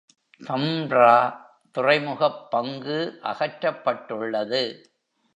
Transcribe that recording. தம்ரா துறைமுகப் பங்கு அகற்றப்பட்டுள்ளது.